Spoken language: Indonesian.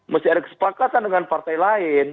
mesti ada kesepakatan dengan partai lain